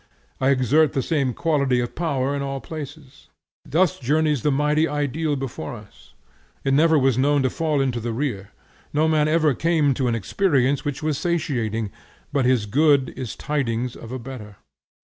I exert the same quality of power in all places. Thus journeys the mighty Ideal before us; it never was known to fall into the rear. No man ever came to an experience which was satiating, but his good is tidings of a better.